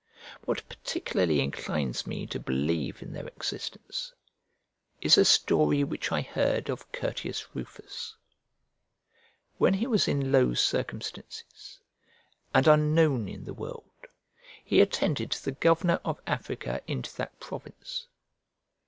What particularly inclines me to believe in their existence is a story which I heard of Curtius Rufus. When he was in low circumstances and unknown in the world, he attended the governor of Africa into that province.